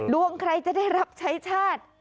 ดวงใครจะได้รับใช้ชาติ